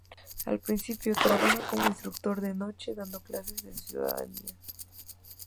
Al principio, trabaja como instructor de noche dando clases de ciudadanía.